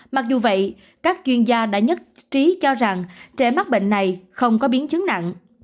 mặc dù vậy các chuyên gia đã nhất trí cho rằng trẻ mắc bệnh này không có biến chứng nặng